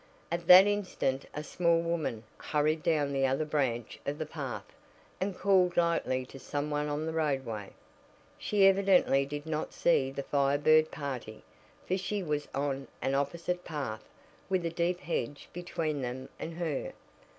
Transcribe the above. At that instant a small woman hurried down the other branch of the path, and called lightly to some one on the roadway. She evidently did not see the Fire Bird party, for she was on an opposite path, with a deep hedge between them and her.